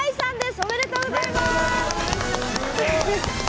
おめでとうございます。